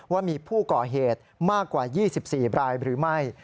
ว่ามีผู้ก่อเหตุมากกว่า๒๔รายหรือไม่